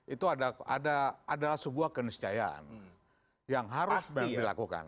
itu adalah sebuah keniscayaan yang harus dilakukan